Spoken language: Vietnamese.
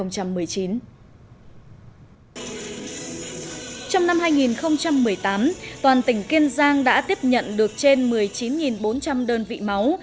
trong năm hai nghìn một mươi tám toàn tỉnh kiên giang đã tiếp nhận được trên một mươi chín bốn trăm linh đơn vị máu